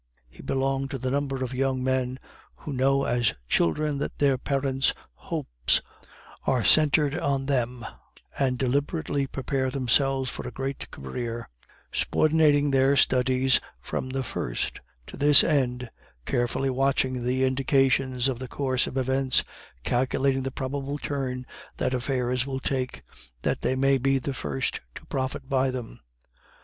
He belonged to the number of young men who know as children that their parents' hopes are centered on them, and deliberately prepare themselves for a great career, subordinating their studies from the first to this end, carefully watching the indications of the course of events, calculating the probable turn that affairs will take, that they may be the first to profit by them.